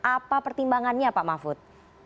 apa pertimbangannya pak mahfud